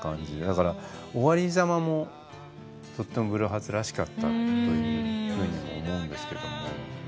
だから終わりざまもとってもブルーハーツらしかったというふうに思うんですけども。